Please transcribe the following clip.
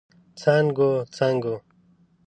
څانګو، څانګو